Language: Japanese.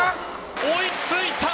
追いついた。